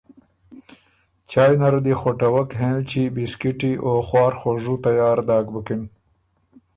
چایٛ نره دی خوټَوَک هېںلچي، بسکِټی، او خواڒ خوژو تیار داک بُکِن۔